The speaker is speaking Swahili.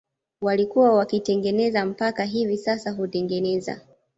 walikuwa wakitengeneza mpaka hivi sasa hutengeneza